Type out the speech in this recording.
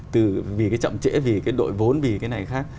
từ vì cái chậm trễ vì cái đội vốn vì cái này khác